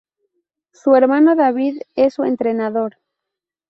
Su hermano David es su entrenador.